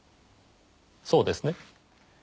そうですね？